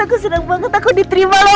aku senang banget aku diterima loh